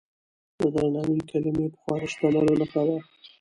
د درناوي کلمې پخوا د شتمنو نښه وه.